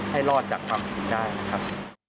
ให้รอดจากความผิดได้นะครับ